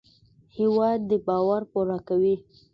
هېواد د باور پوره کوي.